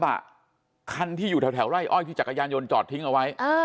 าุยที่จักรยานยนต์จอดทิ้งเอาไว้